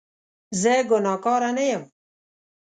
زه ګناکاره نه یم